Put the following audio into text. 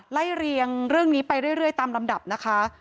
ไล่เรียงเรื่องนี้ไปเรื่อยตามลำดับนะคะ